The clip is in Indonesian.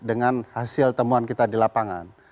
dengan hasil temuan kita di lapangan